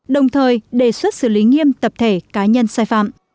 đồng thời đề xuất xử lý nghiêm tập thể cá nhân sai phạm